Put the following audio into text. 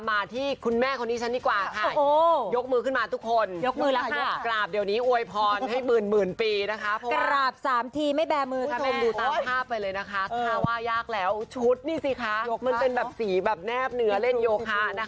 มันเป็นสีแนบเนื้อเล่นโยคะ